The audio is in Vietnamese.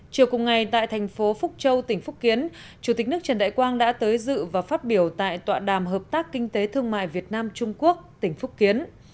chiều cùng ngày tại thành phố phúc châu tỉnh phúc kiến chủ tịch nước trần đại quang đã tới dự và phát biểu tại tọa đàm hợp tác kinh tế thương mại việt nam trung quốc tỉnh phúc kiến